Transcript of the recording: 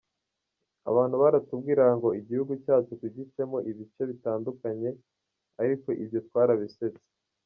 Abantu baratubwiraga ngo igihugu cyacu tugicemo ibice bitandukanye ariko ibyo twarabisetse.